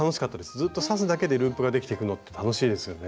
ずっと刺すだけでループができてくのって楽しいですよね。